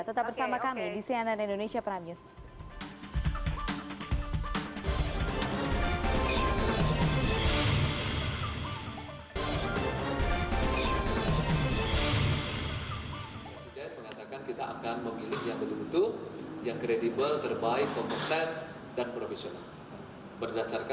tetap bersama kami di cnn indonesia prime news